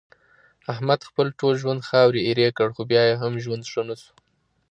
احمد خپل ټول ژوند خاورې ایرې کړ، خو بیا یې هم ژوند ښه نشو.